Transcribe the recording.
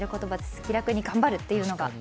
気楽に頑張るというのが。